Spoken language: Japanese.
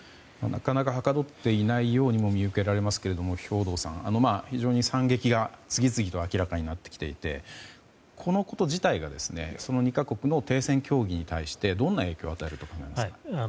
なかなかはかどっていないようにも見受けられますが兵頭さん、非常に惨劇が次々と明らかになってきていてこのこと自体がその２か国の停戦協議に対してどんな影響を与えると思いますか？